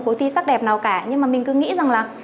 cuộc thi sắc đẹp nào cả nhưng mà mình cứ nghĩ rằng là